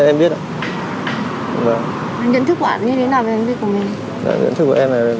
nhận thức của anh như thế nào về hành vi của mình